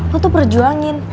lo tuh perjuangin